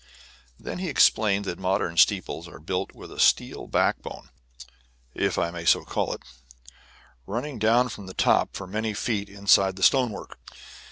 Then he explained that modern steeples are built with a steel backbone (if I may so call it) running down from the top for many feet inside the stonework.